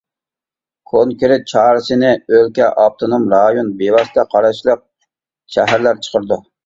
كونكرېت چارىسىنى ئۆلكە، ئاپتونوم رايون، بىۋاسىتە قاراشلىق شەھەرلەر چىقىرىدۇ.